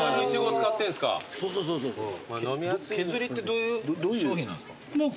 けずりってどういう商品なんですか？